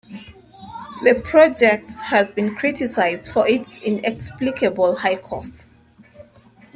The project has been criticized for its inexplicable high costs.